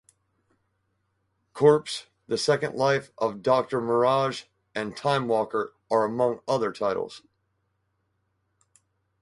Corps", "The Second Life of Doctor Mirage", and "Timewalker", among other titles.